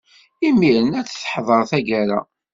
Imiren ad d-teḥḍer taggara.